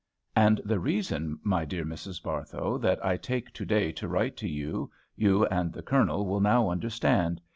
And the reason, my dear Mrs. Barthow, that I take to day to write to you, you and the Colonel will now understand.